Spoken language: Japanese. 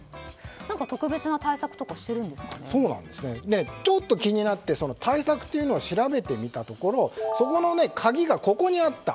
何か特別な対策とかちょっと気になって対策というのを調べてみたところそこの鍵がここにあった。